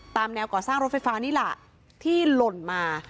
แนวก่อสร้างรถไฟฟ้านี่แหละที่หล่นมา